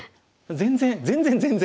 全然全然全然。